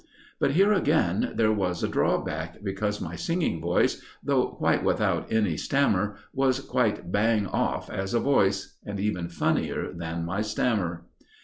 But here, again, there was a drawback, because my singing voice, though quite without any stammer, was right bang off as a voice, and even funnier than my stammer.